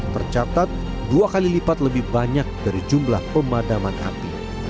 tercatat dua kali lipat lebih banyak dari jumlah pemadaman api